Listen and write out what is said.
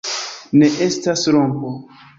Ne, estas rompo.